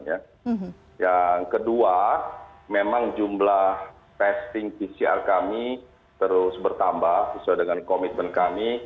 yang kedua memang jumlah testing pcr kami terus bertambah sesuai dengan komitmen kami